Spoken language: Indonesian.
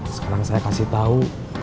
sekarang saya kasih tau